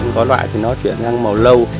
có loại thì nó chuyển sang màu lâu